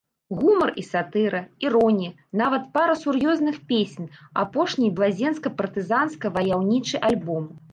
Гумар і сатыра, іронія, нават пара сур'ёзных песень, апошні блазенска-партызанска-ваяўнічы альбом.